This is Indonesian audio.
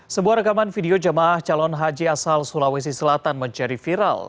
sebuah rekaman video jemaah calon haji asal sulawesi selatan menjadi viral